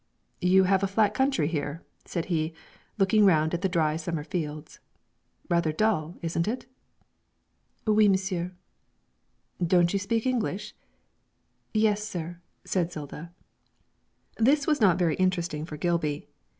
'You have a flat country here,' said he, looking round at the dry summer fields; 'rather dull, isn't it?' 'Oui, monsieur.' 'Don't you speak English?' 'Yes, sir,' said Zilda. This was not very interesting for Gilby.